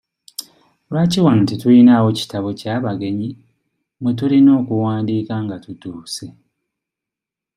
Lwaki wano tetulinaawo kitabo kya bagenyi mwe tulina okuwandiika nga tutuuse?